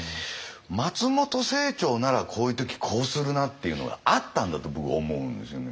松本清張ならこういう時こうするなっていうのがあったんだと僕思うんですよね。